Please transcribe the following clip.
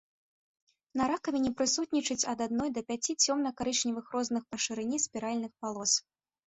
На ракавіне прысутнічаюць ад адной да пяці цёмна-карычневых розных па шырыні спіральных палос.